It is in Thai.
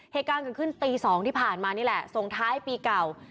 เหตุการณ์ก็ขึ้นปี๒ที่ผ่านมานี่แหละ